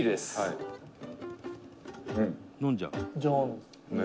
伊達：飲んじゃう。